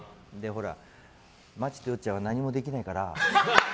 マッチとヨッちゃんは何もできないから。